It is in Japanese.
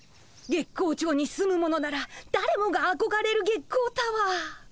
月光町に住む者ならだれもがあこがれる月光タワー。